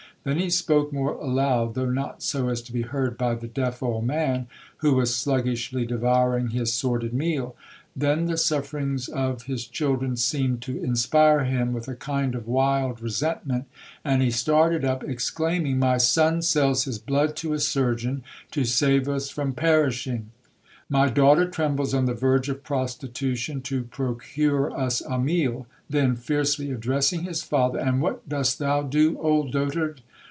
Then he spoke more aloud, though not so as to be heard by the deaf old man, who was sluggishly devouring his sordid meal. Then the sufferings of his children seemed to inspire him with a kind of wild resentment, and he started up, exclaiming, 'My son sells his blood to a surgeon, to save us from perishing!1 My daughter trembles on the verge of prostitution, to procure us a meal!' Then fiercely addressing his father, 'And what dost thou do, old dotard?